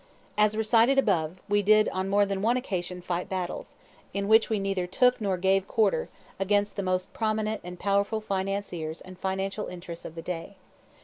As recited above, we did on more than one occasion fight battles, in which we neither took nor gave quarter, against the most prominent and powerful financiers and financial interests of the day.